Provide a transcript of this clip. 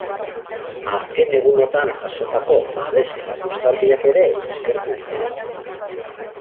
Azken egunotan jasotako babes erakustaldiak ere eskertu ditu.